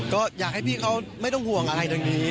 ก็อยากให้พี่เขาไม่ต้องห่วงอะไรดังนี้